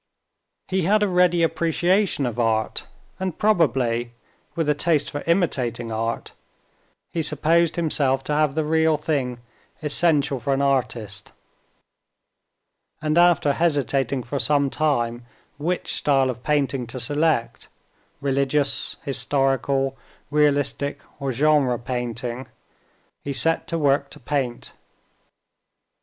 He had a ready appreciation of art, and probably, with a taste for imitating art, he supposed himself to have the real thing essential for an artist, and after hesitating for some time which style of painting to select—religious, historical, realistic, or genre painting—he set to work to paint.